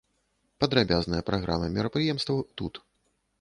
Падрабязная праграма мерапрыемстваў тут.